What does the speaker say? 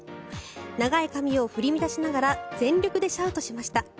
長い髪を振り乱しながら全力でシャウトしました。